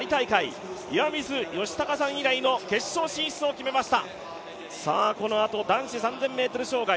２００３年のパリ大会岩水嘉孝さん以来の決勝進出を決めました。